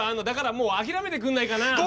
だからもう諦めてくんないかな？